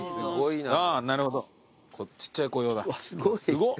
すごっ